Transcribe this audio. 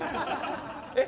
えっ？